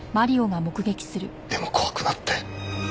でも怖くなって。